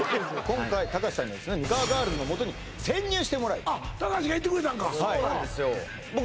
今回たかしさんにはですねミカワガールズのもとに潜入してもらいあたかしが行ってくれたんかそうなんですよ